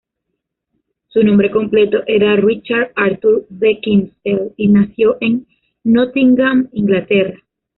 Su nombre completo era Richard Arthur Beckinsale, y nació en Nottingham, Inglaterra.